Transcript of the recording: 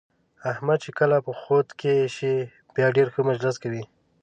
احمد چې کله په خود کې شي بیا ډېر ښه مجلس کوي.